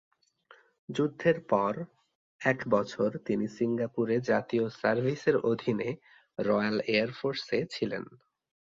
যুদ্ধের পর এক বছর তিনি সিঙ্গাপুরে জাতীয় সার্ভিসের অধীনে রয়্যাল এয়ার ফোর্স এ ছিলেন।